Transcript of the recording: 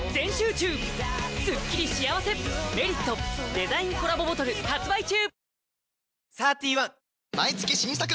デザインコラボボトル発売中！